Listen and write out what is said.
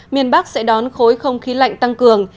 miền bắc sẽ đón khối không khí lạnh tăng cường